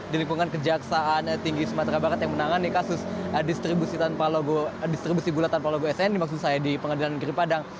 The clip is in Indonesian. di lingkungan kejaksaan tinggi sumatera barat yang menangani kasus distribusi gula tanpa logo sni maksud saya di pengadilan negeri padang